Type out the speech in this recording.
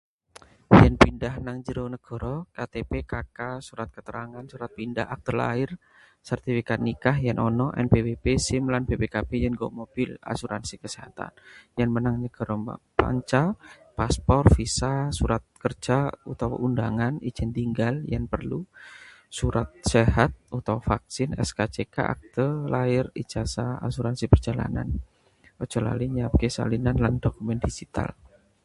Yen pindah nang njero negara: KTP, KK, surat keterangan surat pindah, akte lair, sertifikat nikah yen ono, NPWP, SIM lan BPKB yen nggawa mobil, asuransi kesehatan. Yen menyang negara manca: paspor, visa, surat kerja utawa undangan, ijin tinggal yen perlu , surat sehat utawa vaksin, SKCK, akte lair, ijazah, asuransi perjalanan. Aja lali nyiapake salinan lan dokumen digital.